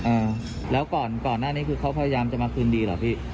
เออแล้วก่อนก่อนหน้านี้คือเขาพยายามจะมาคืนดีเหรอพี่